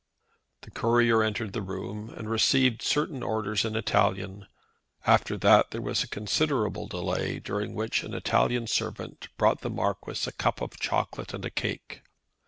The Courier entered the room and received certain orders in Italian. After that there was considerable delay, during which an Italian servant brought the Marquis a cup of chocolate and a cake.